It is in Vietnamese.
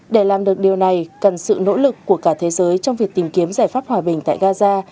để làm được điều này cần sự nỗ lực của cả thế giới trong việc tìm kiếm giải pháp hòa bình tại gaza